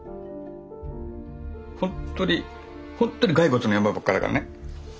ほんっとにほんっとに骸骨の山ばっかだからね。